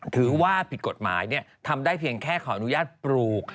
ถือว่าผิดกฎหมายทำได้เพียงแค่ขออนุญาตปลูก